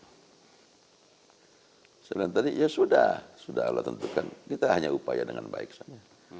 saya bilang tadi ya sudah sudah allah tentukan kita hanya upaya dengan baik saja